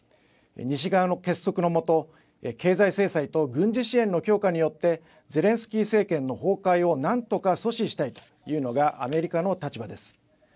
西側の結束のもと経済制裁と軍事支援の強化によってゼレンスキー政権の崩壊をなんとか阻止したいというのがアメリカの立場です。